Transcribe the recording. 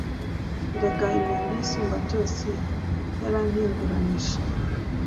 Erega imyambi y Isumbabyose yarampinguranije